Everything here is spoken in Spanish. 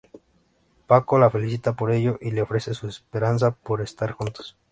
Paco la felicita por ello, y le ofrece su esperanza por estar juntos.